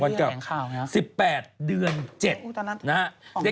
๑๘วันกลับเดือน๗นะครับ